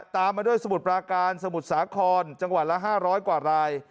ตามมาด้วยสมุทรปราการสมุทรสาครจังหวัดละ๕๐๐กว่าราย